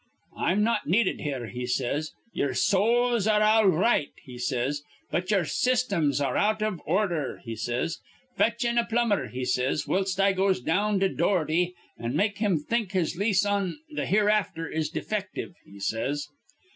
'I'm not needed here,' he says. 'Ye'er sowls ar re all r right,' he says; 'but ye'er systems ar re out iv ordher,' he says. 'Fetch in a plumber,' he says, 'whilst I goes down to Doherty, an' make him think his lease on th' hereafther is defective,' he says."